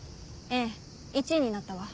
ええ１尉になったわ。